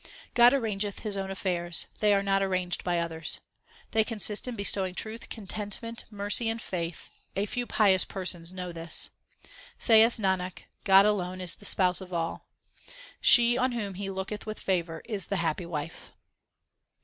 God arrangeth His own affairs ; they are not arranged by others : They consist in bestowing truth, contentment, mercy, and faith a few pious persons know this. Saith Nanak, God alone is the Spouse of all. She on whom He looketh with favour is the happy wife.